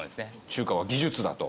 中華は技術だと。